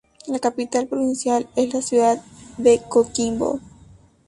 La capital provincial es la ciudad de Coquimbo.